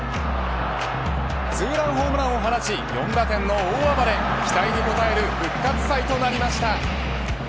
ツーランホームランを放ち４打点の大暴れ期待に応える復活祭となりました。